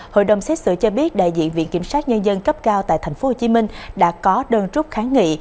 hội đồng xét xử cho biết đại diện viện kiểm sát nhân dân cấp cao tại tp hcm đã có đơn trúc kháng nghị